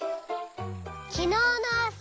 「きのうのあさ」